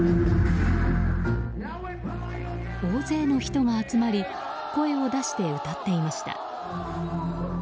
大勢の人が集まり声を出して歌っていました。